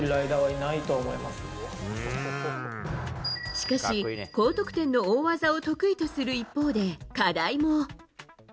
しかし、高得点の大技を得意とする一方で課題も。